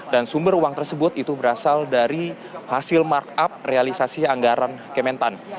dan sumber uang tersebut itu berasal dari hasil mark up realisasi anggaran kementan